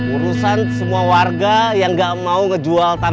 urusan semua warga yang gak mau ngejual tanah